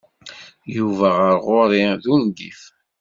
Yuba ɣer ɣur-i d ungif.